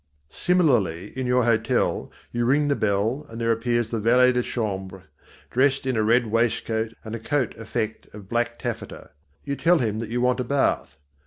Similarly, in your hotel, you ring the bell and there appears the valet de chambre, dressed in a red waistcoat and a coat effect of black taffeta. You tell him that you want a bath.